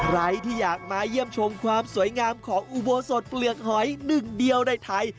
ใครที่อยากมาเยี่ยมชมความสวยงามของอุโบสถเปลือกหอยหนึ่งเดียวในไทย